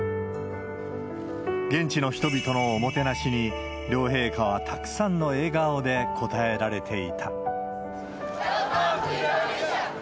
現地の人々のおもてなしに、両陛下はたくさんの笑顔で応えられていた。